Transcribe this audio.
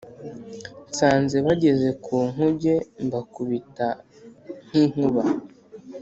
Nsanze bageze ku nkuge mbakubita nk'inkuba